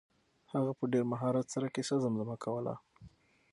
هغه په ډېر مهارت سره کیسه زمزمه کوله.